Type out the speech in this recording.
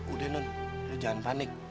udah nun jangan panik